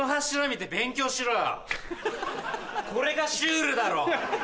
これがシュールだろ！